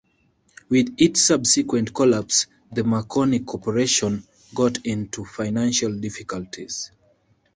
With its subsequent collapse the Marconi Corporation got into financial difficulties.